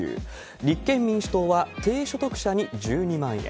立憲民主党は、低所得者に１２万円。